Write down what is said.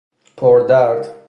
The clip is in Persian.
پر درد